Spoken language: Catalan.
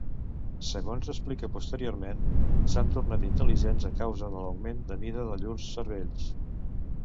Segons explica posteriorment, s'han tornat intel·ligents a causa de l'augment de mida de llurs cervells.